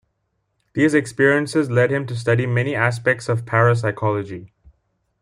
These experiences led him to study many aspects of parapsychology.